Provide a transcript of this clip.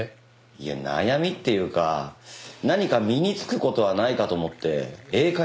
いや悩みっていうか何か身に付く事はないかと思って英会話を。